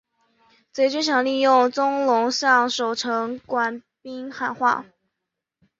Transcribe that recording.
贼军想利用宗龙向守城官兵喊话。